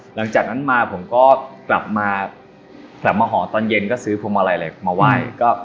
หลังจากนั้นมาผมก็กลับมากลับมาหอตอนเย็นก็ซื้อพวงมาลัยอะไรมาไหว้